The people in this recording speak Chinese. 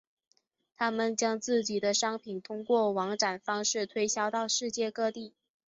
他们将自己的商品通过网展方式推销到世界各地。